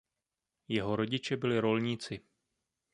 Jeho rodiče byli rolníci.